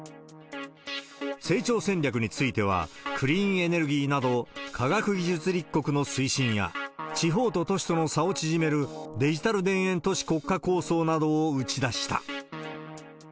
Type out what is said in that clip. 成長戦略については、クリーンエネルギーなど、科学技術立国の推進や、地方と都市との差を縮めるデジタル田園都市国家構想などを打ち出した。